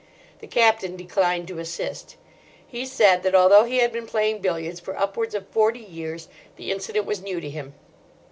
The Captain declined to assist. He said that, although he had been playing billiards for upwards of forty years, the incident was new to him.